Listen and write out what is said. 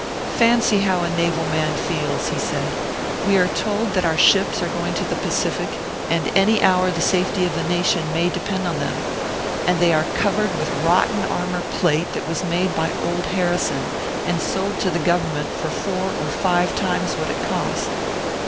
"Fancy how a naval man feels," he said. "We are told that our ships are going to the Pacific, and any hour the safety of the nation may depend upon them! And they are covered with rotten armour plate that was made by old Harrison, and sold to the Government for four or five times what it cost.